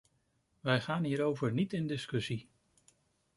Wij gaan hierover niet in discussie.